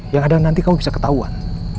yang ada nanti kamu bisa ketahuan